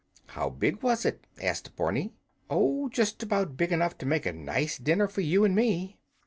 "How big was it?" asked Barney. "Oh, just about big enough to make a nice dinner for you and me."